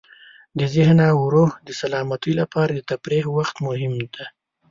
د ذهن او روح د سلامتۍ لپاره د تفریح وخت مهم دی.